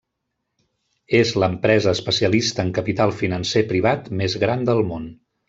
És l'empresa especialista en capital financer privat més gran del món.